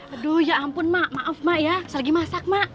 aduh ya ampun mak maaf mak ya selagi masak mak